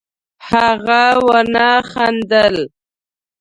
هغه ونه خندل